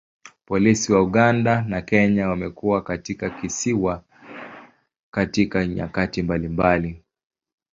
Polisi wa Uganda na Kenya wamekuwa katika kisiwa katika nyakati mbalimbali.